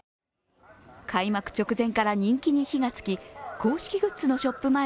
開幕直前から人気に火がつき公式グッズのショップ